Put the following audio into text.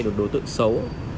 đột đối tượng xấu